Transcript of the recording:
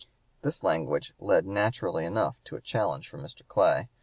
This language led naturally enough to a challenge from Mr. Clay.